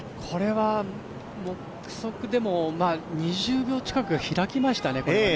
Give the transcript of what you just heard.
これは目測でも２０秒近く開きましたね。